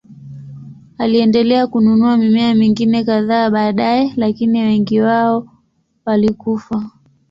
Aliendelea kununua mimea mingine kadhaa baadaye, lakini wengi wao walikufa.